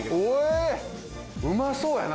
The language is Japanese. うまそうやな。